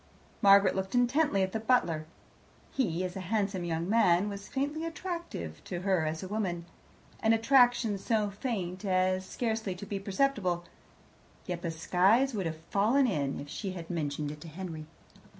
Margaret looked intently at the butler. He, as a handsome young man, was faintly attractive to her as a woman an attraction so faint as scarcely to be perceptible, yet the skies would have fallen if she had mentioned it to Henry.